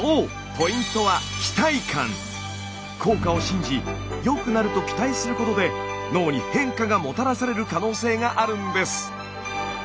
ポイントは効果を信じ良くなると期待することで脳に変化がもたらされる可能性があるんです。